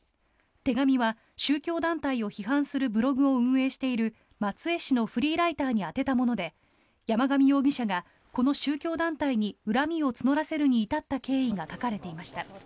手紙は宗教団体を批判するブログを運営している松江市のフリーライターに宛てたもので山上容疑者がこの宗教団体に恨みを募らせるに至った経緯が書かれていました。